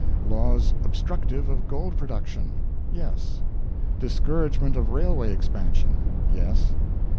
Laws obstructive of gold production? Yes. Discouragement of railway expansion? Yes.